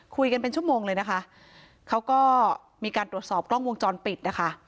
คุยกันเป็นชั่วโมงเลยนะคะเขาก็มีการตรวจสอบกล้องวงจรปิดนะคะ